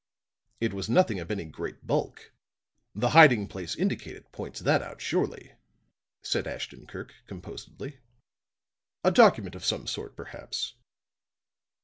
"It was nothing of any great bulk; the hiding place indicated points that out, surely," said Ashton Kirk, composedly. "A document of some sort, perhaps."